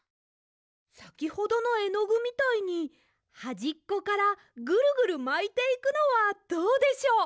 さきほどのえのぐみたいにはじっこからぐるぐるまいていくのはどうでしょう？